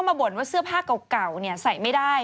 เพราะเสื้อผ้าเก่าใส่ไม่ได้